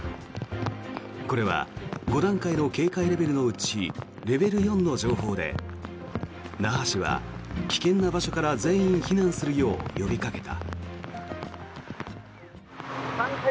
これは５段階の警戒レベルのうちレベル４の情報で那覇市は、危険な場所から全員避難するよう呼びかけた。